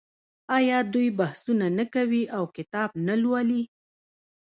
آیا دوی بحثونه نه کوي او کتاب نه لوالي؟